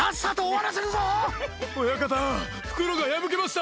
親方、袋が破けました。